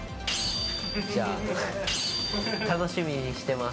じゃあ、楽しみにしてます。